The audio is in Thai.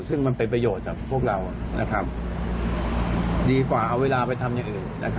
ซึ่งมันเป็นประโยชน์กับพวกเราดีกว่าเอาเวลาไปทำอย่างอื่น